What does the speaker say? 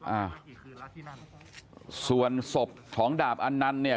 อ่าส่วนศพของดาบอันนันต์เนี่ย